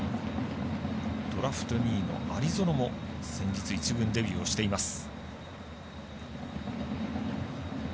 ドラフト２位の有薗も先日１軍デビューしています。